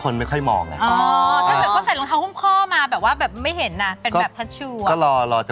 เล็บมือก็ด้วยค่ะ